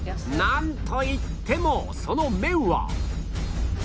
なんといってもその麺は